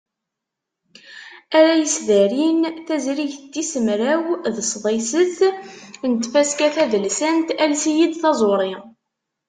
Ara yesdarin tazrigt tis mraw d sḍiset n tfaska tadelsant "Ales-iyi-d taẓuri".